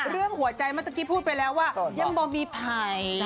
เรื่องหัวใจเมื่อตะกี้พูดไปแล้วว่ายังบ่มีภัย